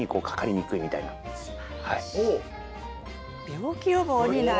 病気予防になる。